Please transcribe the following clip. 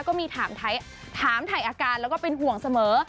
ก็มีถามถ่ายอาการแล้วก็เป็นห่วงเสมอ